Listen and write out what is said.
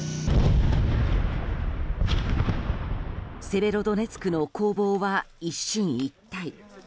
セベロドネツクの攻防は一進一退。